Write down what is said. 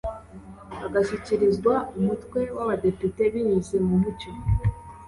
agashyikirizwa Umutwe wabadepite binyuze mumucyo